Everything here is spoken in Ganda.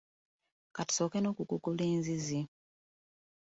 Ka tusooke n'okugogola enzizi.